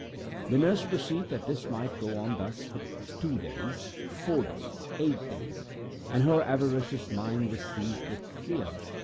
The nurse perceived that this might go on thus for two days, four days, eight days, even, and her avaricious mind was seized with fear.